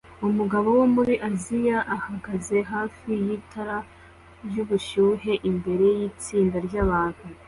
Umugabo wo muri Aziya ahagaze hafi y itara ryubushyuhe imbere yitsinda ryabantu